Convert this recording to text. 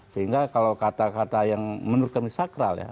sehingga kalau kata kata yang menurut kami sakral ya